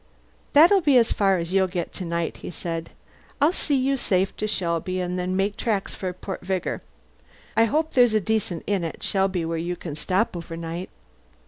"That'll be as far as you'll get to night," he said. "I'll see you safe to Shelby, and then make tracks for Port Vigor. I hope there's a decent inn at Shelby where you can stop overnight."